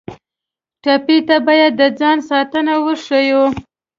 ټپي ته باید د ځان ساتنه وښیو.